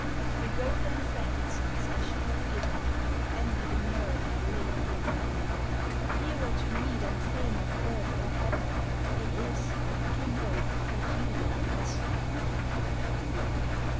_ _The gold and frankincense I should have given, Envy the myrrh I lay within your hand; Dearer to me than fame of earth or heaven It is, to know that you will understand.